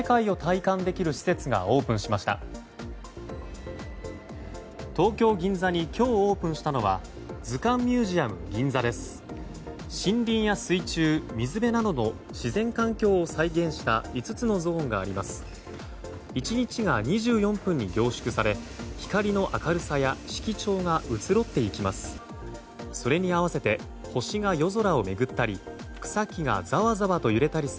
１日が２４分に凝縮され光の明るさや色調が移ろっていきます。